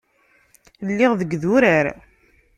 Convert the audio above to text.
Lliɣ deg idurar.